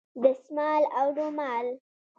دستمال او رومال